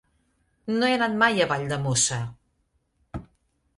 No he anat mai a Valldemossa.